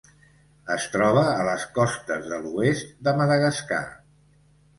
Es troba a les costes de l'oest de Madagascar.